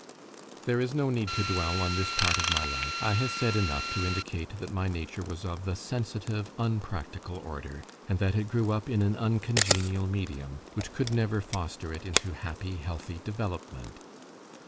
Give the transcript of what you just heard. There is no need to dwell on this part of my life. I have said enough to indicate that my nature was of the sensitive, unpractical order, and that it grew up in an uncongenial medium, which could never foster it into happy, healthy development.